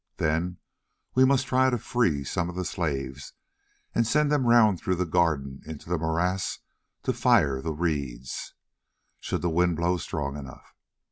Then we must try to free some of the slaves and send them round through the garden into the morass to fire the reeds, should the wind blow strong enough.